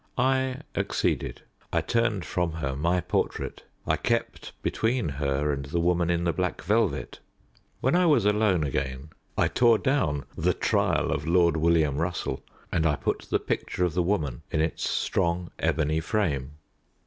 I acceded. I turned from her my portrait. I kept between her and the woman in the black velvet. When I was alone again I tore down "The Trial of Lord William Russell," and I put the picture of the woman in its strong ebony frame.